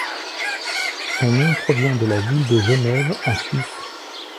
Son nom provient de la ville de Genève en Suisse.